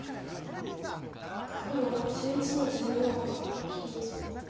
黒１１の十四切り。